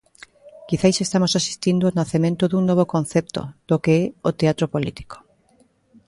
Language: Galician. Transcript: Quizais estamos asistindo ao nacemento dun novo concepto do que é o teatro político.